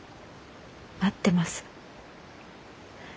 待ってます。